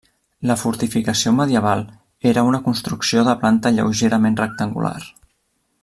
La fortificació medieval era una construcció de planta lleugerament rectangular.